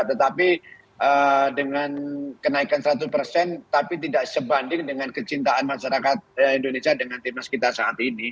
tetapi dengan kenaikan seratus tapi tidak sebanding dengan kecintaan masyarakat indonesia dengan timnas kita saat ini